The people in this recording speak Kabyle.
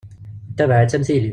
Yettabaɛ-itt am tili.